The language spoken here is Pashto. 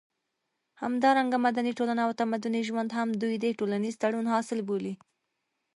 همدارنګه مدني ټولنه او تمدني ژوند هم دوی د ټولنيز تړون حاصل بولي